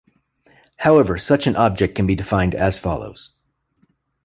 However, such an object can be defined as follows.